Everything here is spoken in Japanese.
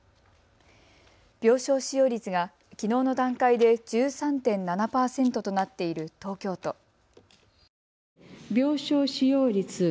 病床使用率が、きのうの段階で１３．７％となっている東京都。